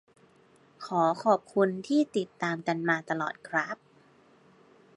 ขอขอบคุณที่ติดตามกันมาตลอดครับ